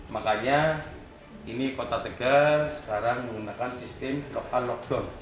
makanya ini kota tegal sekarang menggunakan sistem lokal lockdown